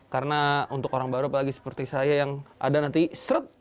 karena untuk orang baru apalagi seperti saya yang ada nanti seret